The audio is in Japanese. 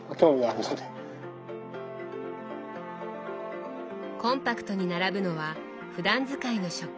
コンパクトに並ぶのはふだん使いの食器。